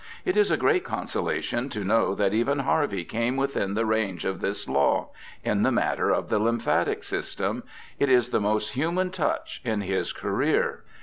It is a great consolation to know that even Har\'ey came within the range of this law— in the matter of the lymphatic system ; it is the most human touch in his career.